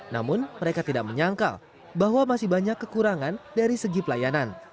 namun mereka tidak menyangka bahwa masih banyak kekurangan dari segi pelayanan